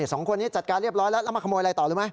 สองคนนี้จัดการเรียบร้อยแล้วแล้วมาขโมยอะไรต่อรู้ไหม